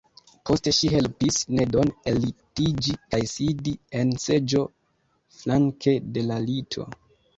Poste ŝi helpis Nedon ellitiĝi kaj sidi en seĝo flanke de la lito.